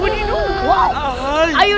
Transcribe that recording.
pergi ke wilayah